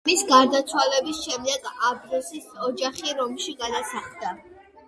მამის გარდაცვალების შემდეგ ამბროსის ოჯახი რომში გადასახლდა.